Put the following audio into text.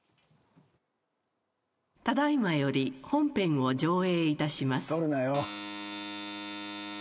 ただ今より本編を上映いたします。